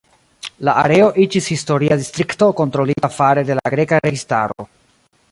La areo iĝis historia distrikto kontrolita fare de la greka registaro.